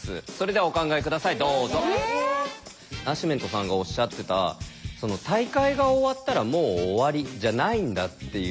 ナシメントさんがおっしゃってた大会が終わったらもう終わりじゃないんだっていう。